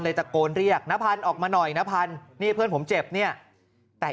เลยจะโกนเรียกนภัณฑ์ออกมาหน่อยนภัณฑ์นี่เพื่อนผมเจ็บเนี่ยแต่